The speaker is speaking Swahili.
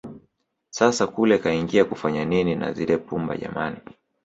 Sasa kule kaingia kufanya nini na zile pumba jamani